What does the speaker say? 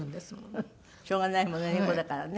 しょうがないものね猫だからね。